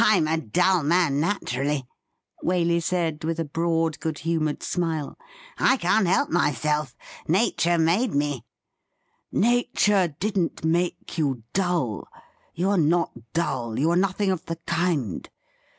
Fm a dull man natm ally,' Waley said, with a broad, good humoured smile. 'I can't help myself. Nature made me.' ' Nature didn't make you dull ; you are not dull — ^you are nothing of the kind.